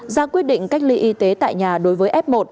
ra quyết định cách ly y tế tại nhà đối với f một